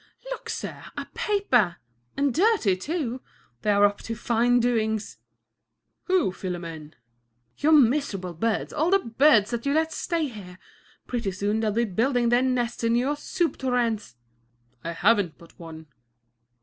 "Look, sir, a paper, and dirty, too! They are up to fine doings!" "Who, Philomène?" "Your miserable birds; all the birds that you let stay here! Pretty soon they'll be building their nests in your soup tureens!" "I haven't but one."